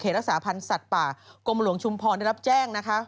รักษาพันธ์สัตว์ป่ากรมหลวงชุมพรได้รับแจ้งนะคะ